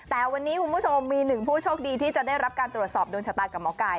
แต่วันนี้คุณผู้ชมมีหนึ่งผู้โชคดีที่จะได้รับการตรวจสอบโดนชะตากับหมอไก่